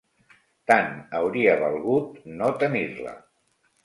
Tant hauria valgut no tenir-la